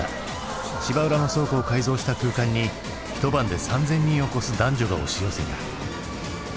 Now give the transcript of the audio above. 芝浦の倉庫を改造した空間にひと晩で３，０００人を超す男女が押し寄せた。